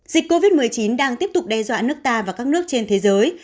dịch covid một mươi chín đang tiếp tục đe dọa nước ta và các nước trên thế giới